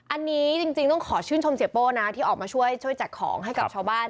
อันนี้จริงต้องขอชื่นชมเสียโป้นะที่ออกมาช่วยแจกของให้กับชาวบ้าน